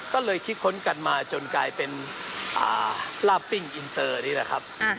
ก็เลยคิดค้นกันมาจนกลายเป็นลาบปิ้งอินเตอร์นี่แหละครับ